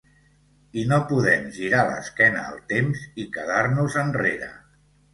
I no podem girar l’esquena al temps i quedar-nos enrere.